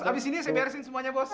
habis ini saya biarin semuanya bos